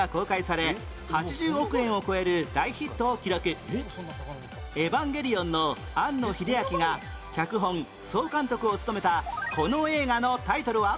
６年前日本を代表する『エヴァンゲリオン』の庵野秀明が脚本・総監督を務めたこの映画のタイトルは？